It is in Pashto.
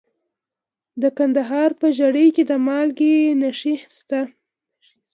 د کندهار په ژیړۍ کې د مالګې نښې شته.